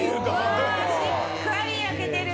うわしっかり焼けてる。